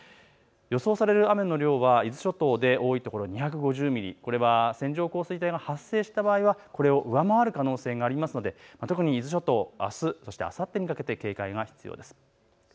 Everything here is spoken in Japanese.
予想される雨の量は伊豆諸島で多い所、２５０ミリ、これは線状降水帯が発生した場合はこれを上回る可能性がありますので特に伊豆諸島、あす、そしてあさってにかけて警戒が必要です。